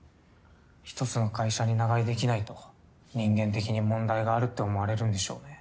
１つの会社に長居できないと人間的に問題があるって思われるんでしょうね。